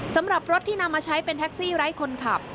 สำหรับรถที่นำมาใช้เป็นแท็กซี่ไร้คนขับ